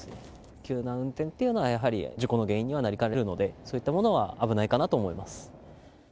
急な運転っていうのは、やはり事故の原因にはなりかねるので、そういったものは危ないかなと思います。